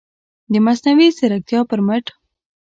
د مصنوعي ځیرکتیا پر مټ